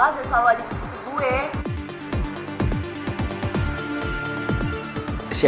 dan selalu aja di sisi gue